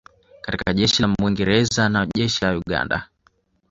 katika Jeshi la Mwingereza na Jeshi la Uganda